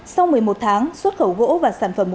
sau một mươi một tháng xuất khẩu gỗ và sản phẩm